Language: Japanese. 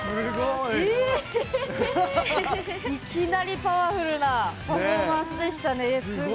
いきなりパワフルなパフォーマンスでしたね。